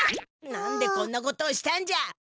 なんでこんなことをしたんじゃ？